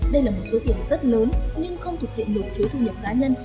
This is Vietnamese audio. đây là một số tiền rất lớn nhưng không thuộc diện nộp thuế thu nhập cá nhân